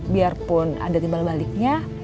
biarpun ada tiba baliknya